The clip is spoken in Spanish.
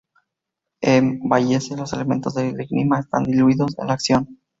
En Wallace, los elementos del enigma están diluidos en la acción.